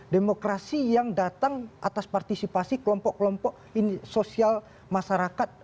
demokrasi yang datang atas partisipasi kelompok kelompok sosial masyarakat